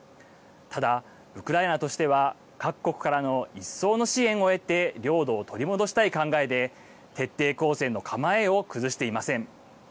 ただ、ウクライナとしては各国からの一層の支援を得て領土を取り戻したい考えで徹底抗戦の構えを崩していません。